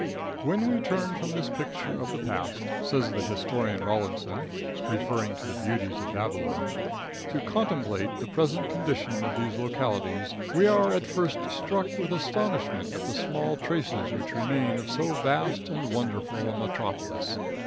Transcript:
"When we turn from this picture of the past," says the historian, Rawlinson, referring to the beauties of Babylon, "to contemplate the present condition of these localities, we are at first struck with astonishment at the small traces which remain of so vast and wonderful a metropolis.